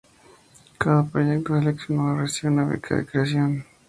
Cada proyecto seleccionado recibe una beca de creación para la elaboración del mismo.